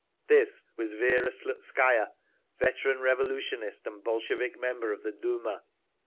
This was Vera Slutskaya, veteran revolutionist and Bolshevik member of the Duma.